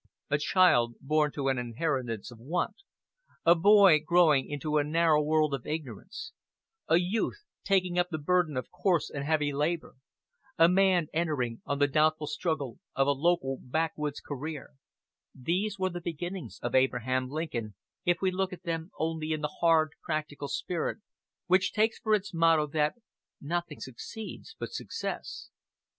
A child born to an inheritance of want; a boy growing into a narrow world of ignorance; a youth taking up the burden of coarse and heavy labor; a man entering on the doubtful struggle of a local backwoods career these were the beginnings of Abraham Lincoln if we look at them only in the hard practical spirit which takes for its motto that "Nothing succeeds but success."